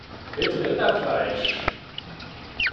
Mit Rinderfleisch!